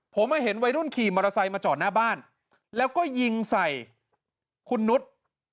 ผมมาเห็นวัยรุ่นขี่มอเตอร์ไซค์มาจอดหน้าบ้านแล้วก็ยิงใส่คุณนุษย์